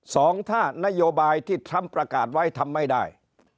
สองถ้านโยบายที่ทรัมป์ประกาศไว้ทำไม่ได้